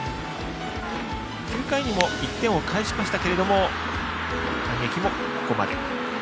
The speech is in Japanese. ９回にも１点を返しましたけども反撃もここまで。